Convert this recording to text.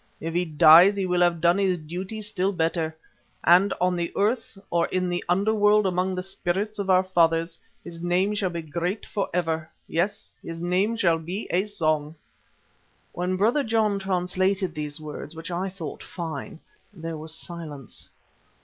If he dies he will have done his duty still better, and, on the earth or in the under world among the spirits of our fathers, his name shall be great for ever; yes, his name shall be a song." When Brother John had translated these words, which I thought fine, there was silence.